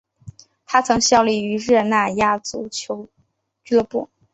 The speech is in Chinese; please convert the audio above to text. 他曾效力于热那亚足球俱乐部。